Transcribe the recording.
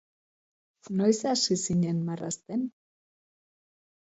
Noiz hasi zinen marrazten?